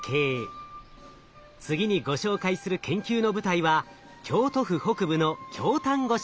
次にご紹介する研究の舞台は京都府北部の京丹後市。